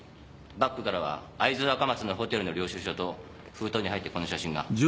バッグからは会津若松のホテルの領収書と封筒に入ってこの写真が。